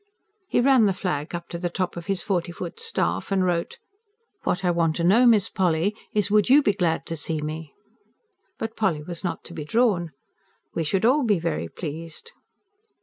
He ran the flag up to the top of his forty foot staff and wrote: WHAT I WANT TO KNOW, MISS POLLY, IS, WOULD YOU BE GLAD TO SEE ME? But Polly was not to be drawn. WE SHOULD ALL BE VERY PLEASED.